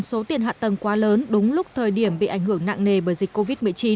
số tiền hạ tầng quá lớn đúng lúc thời điểm bị ảnh hưởng nặng nề bởi dịch covid một mươi chín